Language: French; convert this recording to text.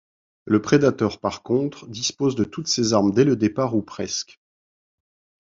Le predator, par contre, dispose de toutes ses armes dès le départ, ou presque.